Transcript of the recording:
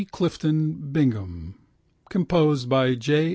Clifton Bingham, composed by J.